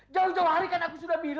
jauh jauh hari kan aku sudah biru